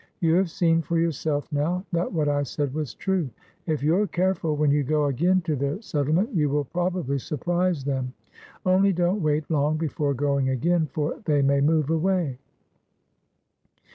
You have seen for yourself now that what I said was true. If you are careful when you go again to their settlement, you will probably surprise them, only don't wait long before going again, for they may move away."